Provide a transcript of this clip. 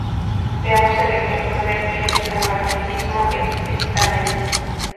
Veamos el ejemplo del electromagnetismo explícitamente.